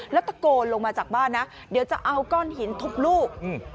แล้วตะโกนลงมาจากบ้านนะเดี๋ยวจะเอาก้อนหินทุบลูก